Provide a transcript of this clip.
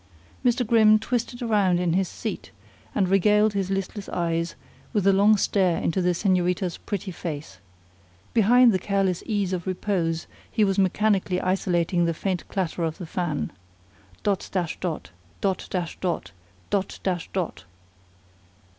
Mr. Grimm twisted around in his seat and regaled his listless eyes with a long stare into the señorita's pretty face. Behind the careless ease of repose he was mechanically isolating the faint clatter of the fan. "Dot dash dot! Dot dash dot! Dot dash dot!"